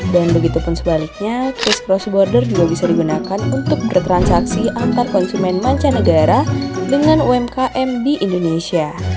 dan begitu pun sebaliknya kris cross border juga bisa digunakan untuk bertransaksi antar konsumen mancanegara dengan umkm di indonesia